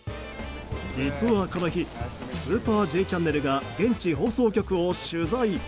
実は、この日「スーパーＪチャンネル」が現地放送局を取材。